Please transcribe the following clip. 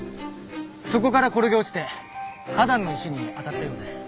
そこから転げ落ちて花壇の石に当たったようです。